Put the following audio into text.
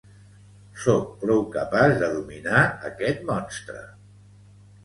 Sóc prou capaç de dominar aquest monstre!